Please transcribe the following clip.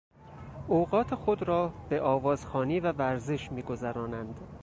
اوقات خود را به آواز خوانی و ورزش میگذراندند.